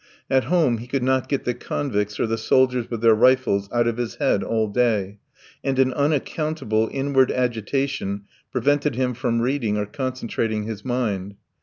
At home he could not get the convicts or the soldiers with their rifles out of his head all day, and an unaccountable inward agitation prevented him from reading or concentrating his mind.